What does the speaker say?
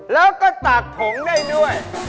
แล้วก็ตากผงได้ด้วย